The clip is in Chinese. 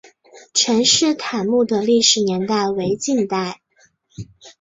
陈式坦墓的历史年代为近代。